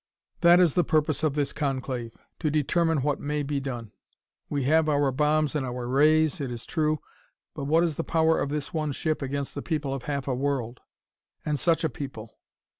"That is the purpose of this conclave: to determine what may be done. We have our bombs and our rays, it is true, but what is the power of this one ship against the people of half a world? And such a people!"